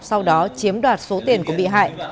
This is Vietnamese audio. sau đó chiếm đoạt số tiền của bị hại